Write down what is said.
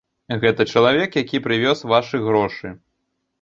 Гэта чалавек, які прывёз вашы грошы.